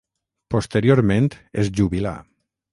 Posteriorment es jubilà.